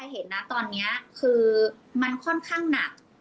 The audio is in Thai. เห็นนะตอนนี้คือมันค่อนข้างหนัก